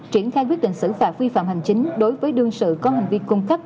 triển khai quyết định xử phạt vi phạm hành chính đối với đương sự có hành vi cung cấp